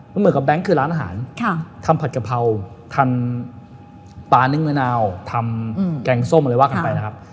มันเหมือนกับแบงค์คือร้านอาหารทำผัดกะเพราทำปลานึ่งมะนาวทำแกงส้มอะไรว่ากันไปนะครับ